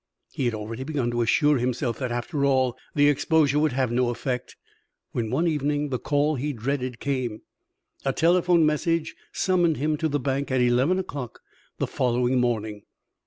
He had already begun to assure himself that, after all, the exposure would have no effect, when one evening the call he dreaded came. A telephone message summoned him to the bank at eleven o'clock the following morning.